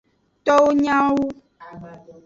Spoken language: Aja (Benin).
Towo nyra wu.